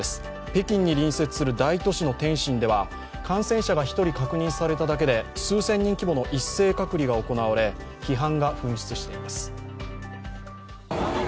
北京に隣接する大都市の天津では感染者が１人確認されただけで数千人規模の一斉隔離が行われ、批判が噴出しています。